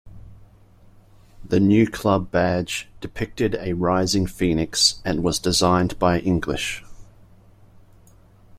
The new club badge depicted a rising phoenix and was designed by English.